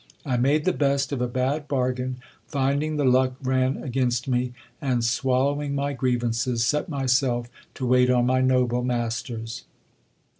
I made the best of a bad bargain, finding the luck ran against me ; and, swallowing my grievances, set myself to wait on my noble masters.